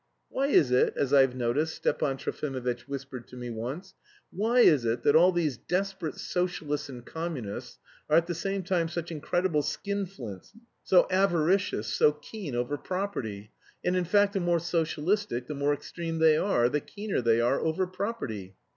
"Why is it as I've noticed," Stepan Trofimovitch whispered to me once, "why is it that all these desperate socialists and communists are at the same time such incredible skinflints, so avaricious, so keen over property, and, in fact, the more socialistic, the more extreme they are, the keener they are over property...